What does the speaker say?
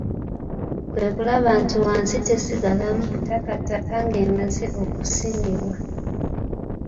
Kwe kulaba nti wansi tesigalamu butakataka ng'emaze okusimibwa.